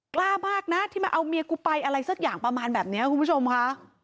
กล้ามากนะที่มาเอาเมียกูไปอะไรสักอย่างประมาณแบบนี้คุณผู้ชมค่ะ